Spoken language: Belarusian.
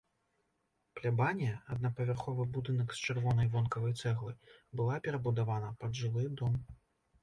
Плябанія, аднапавярховы будынак з чырвонай вонкавай цэглы, была перабудавана пад жылы дом.